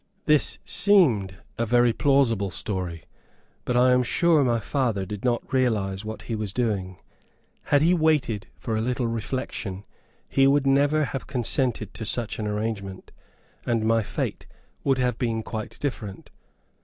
This seemed a very plausible story; but I am sure my father did not realize what he was doing. Had he waited for a little reflection, he would never have consented to such an arrangement, and my fate would have been quite different.